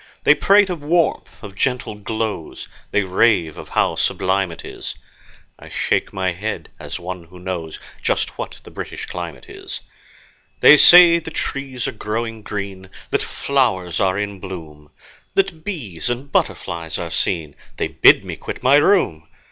They prate of 'warmth', of 'gentle glows', They rave of how sublime it is; I shake my head, as one who knows Just what the British climate is. They say the trees are growing green, That flowers are in bloom, That bees and butterflies are seen; They bid me quit my room.